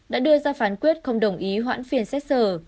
đã đưa ra phán quyết không đồng ý hoãn phiên xét xử